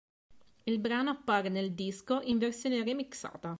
Il brano appare nel disco in versione remixata.